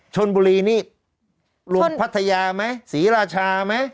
ชณ์บุรีมีรวมพัทยาสีราชามั้ย